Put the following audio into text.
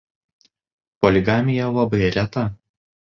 Poligamija labai reta.